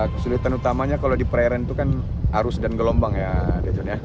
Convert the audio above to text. kesulitan utamanya kalau di perairan itu kan arus dan gelombang ya